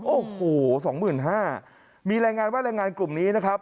โอ้โห๒๕๐๐๐บาทมีแรงงานว่าแรงงานกลุ่มนี้นะครับ